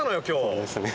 そうですね。